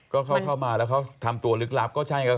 ก็เข้ามาแล้วเขาทำตัวลึกลับก็ใช่ครับ